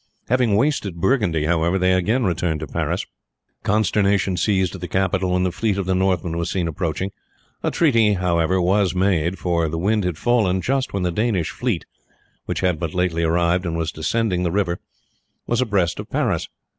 Having wasted Burgundy, however, they again returned to Paris. Consternation seized the capital when the fleet of the Northmen was seen approaching. A treaty was, however, made, for the wind had fallen just when the Danish fleet, which had but lately arrived and was descending the river, was abreast of Paris.